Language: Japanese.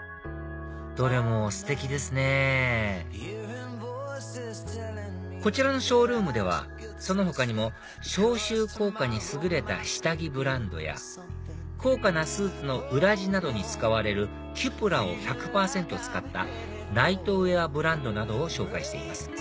どれもステキですねこちらのショールームではその他にも消臭効果に優れた下着ブランドや高価なスーツの裏地などに使われるキュプラを１００％使ったナイトウエアブランドなどを紹介しています